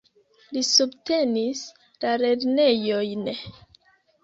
Li subtenis la lernejojn.